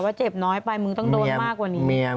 เจ็บน้อยไปมึงต้องโดนมากกว่านี้